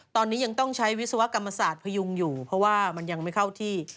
ตอนนี้ยังต้องใช้วิศวกรรมศาสตร์พยุงอยู่เพราะว่ามันยังไม่เข้าที่